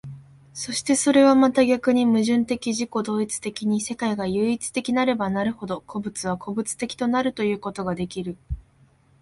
そしてそれはまた逆に矛盾的自己同一的に世界が唯一的なればなるほど、個物は個物的となるということができる。